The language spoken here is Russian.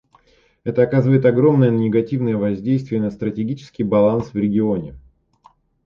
Это оказывает огромное негативное воздействие на стратегический баланс в регионе.